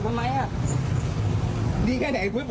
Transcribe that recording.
ผมก็จอดแบบเดียว